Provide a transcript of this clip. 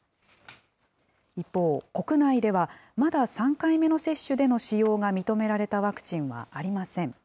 一方、国内ではまだ３回目の接種での使用が認められたワクチンはありません。